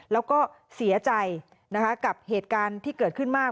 แล้วก็เสียใจนะคะกับเหตุการณ์ที่เกิดขึ้นมาก